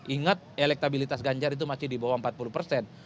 ingat elektabilitas ganjar itu masih di bawah empat puluh persen